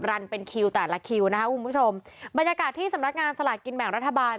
รันเป็นคิวแต่ละคิวนะคะคุณผู้ชมบรรยากาศที่สำนักงานสลากกินแบ่งรัฐบาล